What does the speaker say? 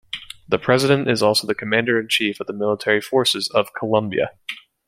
The president is also the commander-in-chief of the Military Forces of Colombia.